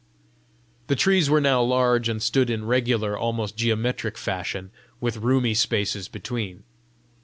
The trees were now large, and stood in regular, almost geometric, fashion, with roomy spaces between.